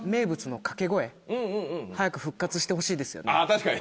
確かに。